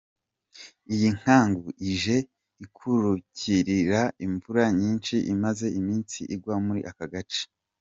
Iyi nkangu ije ikururikira imvura nyinshi imaze iminsi igwa muri aka gace.